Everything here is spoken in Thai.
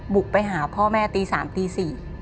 บุกไปหาพ่อแม่ตี๓ตี๔